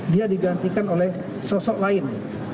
dia digantikan oleh sosok lain